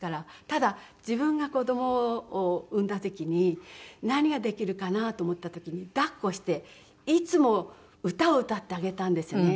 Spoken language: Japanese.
ただ自分が子供を産んだ時に何ができるかなと思った時に抱っこしていつも歌を歌ってあげたんですよね